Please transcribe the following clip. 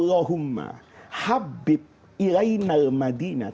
kemudian sampai di kota madinah